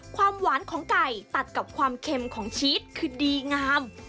ความหวานของไก่ตัดกับความเค็มของชีสคือดีงาม